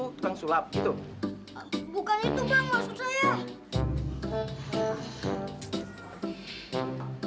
bukan itu bangu